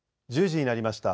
１０時になりました。